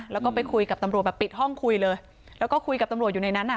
แล้วก็ไปคุยกับตำรวจแบบปิดห้องคุยเลยแล้วก็คุยกับตำรวจอยู่ในนั้นอ่ะ